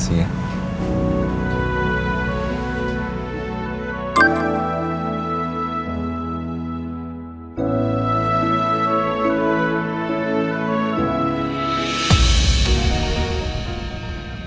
sampai jumpa lagi